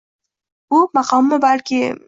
Bu maqommi? Balki